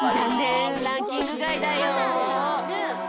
ランキングがいだよ。